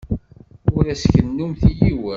Ur as-kennumt i yiwen.